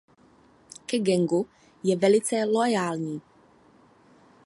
Ke gangu je velice loajální.